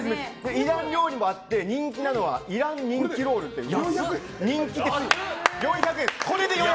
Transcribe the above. イラン料理もあって人気なのがイラン人気ロールという。